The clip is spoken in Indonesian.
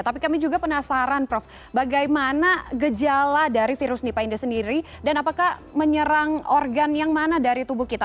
tapi kami juga penasaran prof bagaimana gejala dari virus nipah inda sendiri dan apakah menyerang organ yang mana dari tubuh kita